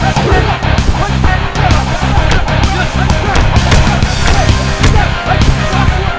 ayo cepat sejarah mereka